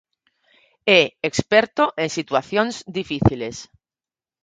É experto en situacións difíciles.